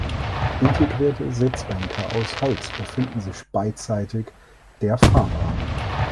Integrierte Sitzbänke aus Holz befinden sich beidseitig der Fahrbahn.